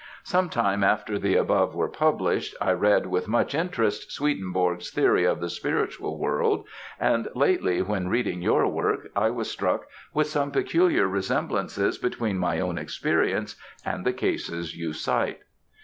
Sometime after the above were published, I read with much interest, "Swedenborg's Theory of the Spiritual World;" and lately when reading your work, I was struck with some peculiar resemblances between my own experience and the cases you cite.